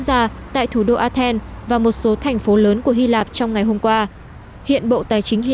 gia tại thủ đô athens và một số thành phố lớn của hy lạp trong ngày hôm qua hiện bộ tài chính hy